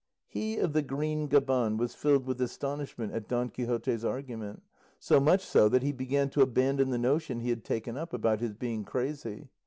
He of the green gaban was filled with astonishment at Don Quixote's argument, so much so that he began to abandon the notion he had taken up about his being crazy.